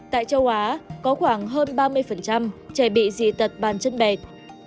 tại châu á có khoảng hơn ba mươi trẻ bị dị tật bàn chân bẹt